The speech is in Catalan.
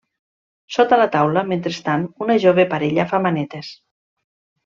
Sota la taula, mentrestant, una jove parella fa manetes.